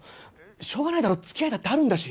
しょうがないだろ付き合いだってあるんだし。